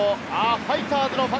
ファイターズのフ